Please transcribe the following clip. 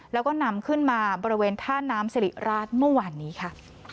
แล้วก็นำขึ้นมาบริเวณท่าน้ำสิริราชเมื่อวานนี้ค่ะ